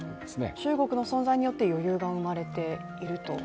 中国の存在によって余裕が生まれていると？